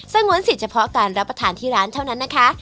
ง้วนสิทธิเฉพาะการรับประทานที่ร้านเท่านั้นนะคะ